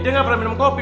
minum teh manas